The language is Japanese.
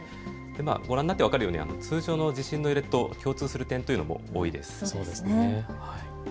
ご覧になって分かるように通常の地震の揺れと共通する点というのも多いです。